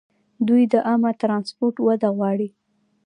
دوی د عامه ټرانسپورټ وده غواړي.